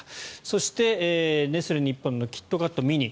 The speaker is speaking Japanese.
そして、ネスレ日本のキットカットミニ。